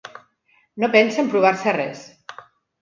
No pensa emprovar-se res.